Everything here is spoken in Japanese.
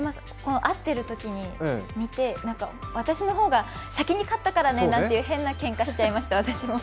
会ってるときに言って私の方が先に買ったからね！なんていう変なけんかしちゃいました。